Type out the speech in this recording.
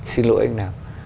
xin lỗi anh nào